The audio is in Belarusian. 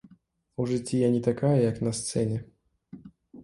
У жыцці я не такая як на сцэне.